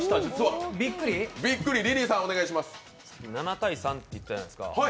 ７対３って言ってたじゃないですか。